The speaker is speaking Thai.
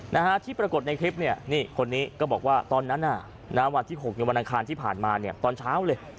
นะฮะที่ปรากฏในคลิปเนี่ยนี่คนนี้ก็บอกว่าตอนนั้นน่ะนะวันที่หกในวันอังคารที่ผ่านมาเนี่ยตอนเช้าเลย